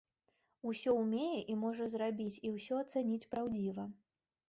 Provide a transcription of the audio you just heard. Усё умее і можа зрабіць і ўсё ацаніць праўдзіва.